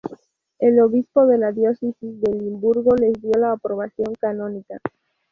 El obispo de la diócesis de Limburgo les dio la aprobación canónica.